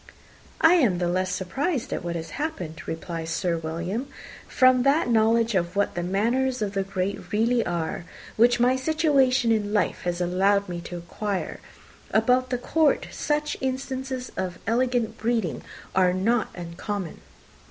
"I am the less surprised at what has happened," replied Sir William, "from that knowledge of what the manners of the great really are, which my situation in life has allowed me to acquire. About the court, such instances of elegant breeding are not uncommon."